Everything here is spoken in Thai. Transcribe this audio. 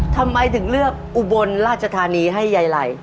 ทำไมถึงเลือกอุบลราชธานีให้ยายไหล่